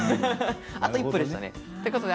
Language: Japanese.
あと一歩でしたね。